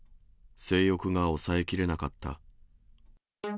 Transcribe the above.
性欲が抑えきれなかった。